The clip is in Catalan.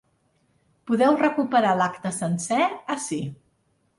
Podeu recuperar l’acte sencer ací.